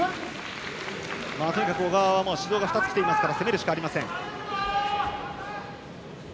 とにかく小川は指導が２つ来ていますから攻めるしかありません。